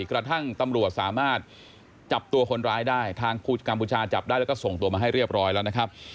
กระทั่งตำรวจสามารถจับตัวคนร้ายได้ทางกัมพูชาจับได้แล้วก็ส่งตัวมาให้เรียบร้อยแล้วนะครับ